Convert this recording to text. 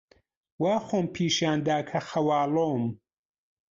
وا خۆم پیشان دا کە خەواڵووم.